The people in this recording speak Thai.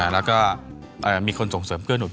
แล้วก็มีคนส่งเสริมเครื่องหนุน